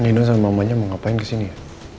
nino sama mamanya mau ngapain kesini ya